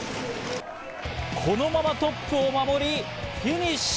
このままトップを守りフィニッシュ！